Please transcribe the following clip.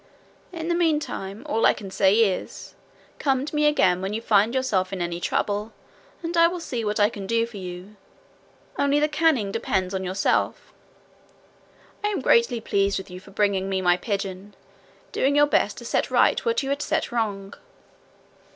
'In the meantime all I can say is, come to me again when you find yourself in any trouble, and I will see what I can do for you only the canning depends on yourself. I am greatly pleased with you for bringing me my pigeon, doing your best to set right what you had set wrong.'